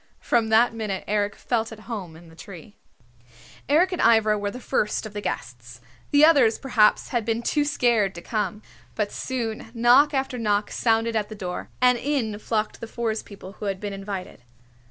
From that minute Eric felt at home in the tree. Eric and Ivra were the first of the guests. The others perhaps had been too scared to come. But soon knock after knock sounded at the door, and in flocked the Forest People who had been invited.